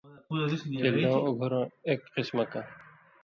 تِلیۡ لُوں اُگُھروۡ اېک قِسمہ کاں